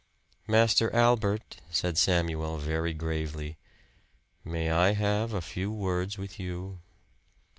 "Master Albert," said Samuel very gravely, "May I have a few words with you?"